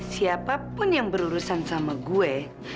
siapapun yang berurusan sama gue